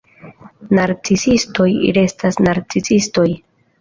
Narcisistoj restas narcisistoj.